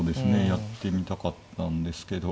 やってみたかったんですけど。